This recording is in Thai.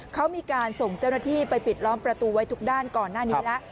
เขามีการส่งเจ้าหน้าที่ไปปิดล้อมประตูไว้ทุกด้านก่อนหน้านี้แล้ว